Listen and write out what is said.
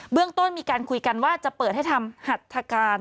เรื่องต้นมีการคุยกันว่าจะเปิดให้ทำหัตถการ